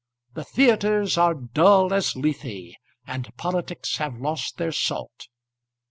The theatres are dull as Lethe, and politics have lost their salt.